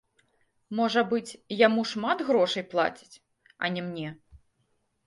Можа быць, яму шмат грошай плацяць, а не мне.